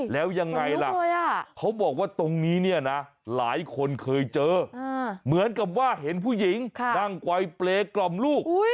แล้วยังไงล่ะเขาบอกว่าตรงนี้เนี่ยนะหลายคนเคยเจอเหมือนกับว่าเห็นผู้หญิงนั่งไกลเปรย์กล่อมลูก